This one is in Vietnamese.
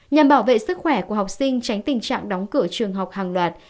nhằm bảo vệ sức khỏe của học sinh tránh tình trạng đóng cửa trường học hàng loạt